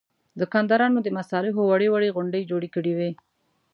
دوکاندارانو د مصالحو وړې وړې غونډۍ جوړې کړې وې.